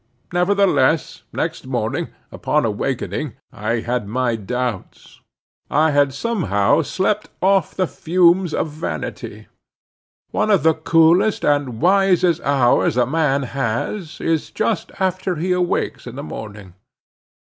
Nevertheless, next morning, upon awakening, I had my doubts,—I had somehow slept off the fumes of vanity. One of the coolest and wisest hours a man has, is just after he awakes in the morning.